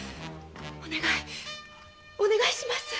お願いお願いします！